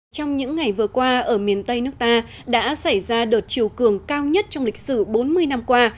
trong những ngày vừa qua ở miền tây nước ta đã xảy ra đợt chiều cường cao nhất trong lịch sử bốn mươi năm qua